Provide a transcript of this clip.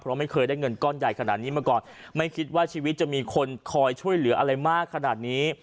เพราะไม่เคยได้เงินก้อนใหญ่ขนาดนี้มาก่อนไม่คิดว่าชีวิตจะมีคนคอยช่วยเหลืออะไรมากขนาดนี้